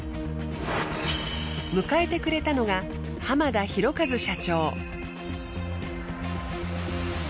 迎えてくれたのが濱田宏一社長。